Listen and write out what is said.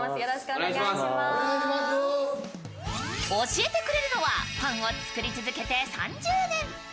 教えてくれるのはパンを作り続けて３０年。